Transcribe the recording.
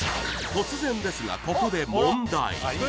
突然ですがここで問題